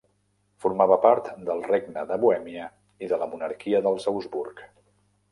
Formava part del regne de Bohèmia i de la monarquia dels Habsburg.